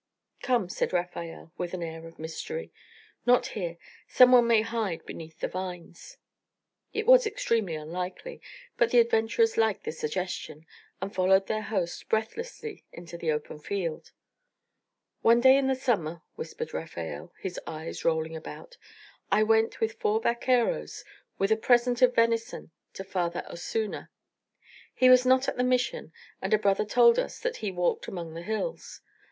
"Come," said Rafael, with an air of mystery. "Not here. Some one may hide beneath the vines." It was extremely unlikely, but the adventurers liked the suggestion and followed their host breathlessly into the open field. "One day in the summer," whispered Rafael, his eyes rolling about, "I went with four vaqueros with a present of venison to Father Osuna. He was not at the Mission, and a brother told us that he walked among the hills.